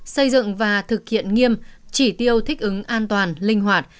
xây dựng và thực hiện nghiêm chỉ tiêu thích ứng an toàn linh hoạt